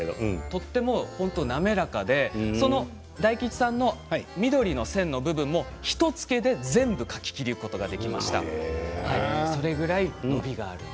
とても滑らかで大吉さんの緑の線の部分も１つけで全部描ききることができました。